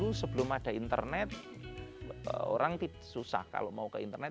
itu sebelum ada internet orang susah kalau mau ke internet